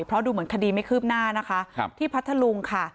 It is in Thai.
เพราะดูเหมือนคดีไม่คืบหน้านะคะที่พัทธลุงค่ะ